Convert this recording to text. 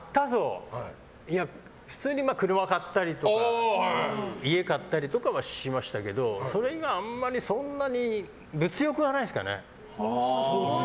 普通に車を買ったりとか家買ったりとかはしましたけどそれ以外は物欲はないですかね。